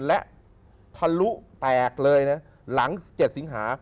และทะลุแตกเลยนะหลัง๗สิงหา